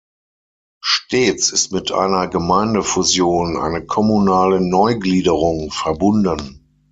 Stets ist mit einer Gemeindefusion eine kommunale Neugliederung verbunden.